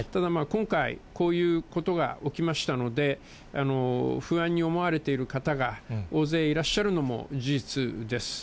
今回、こういうことが起きましたので、不安に思われている方が大勢いらっしゃるのも事実です。